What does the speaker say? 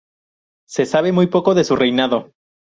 Se sabe muy poco de su reinado.